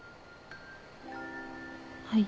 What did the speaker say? はい。